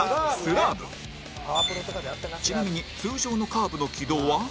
ちなみに通常のカーブの軌道は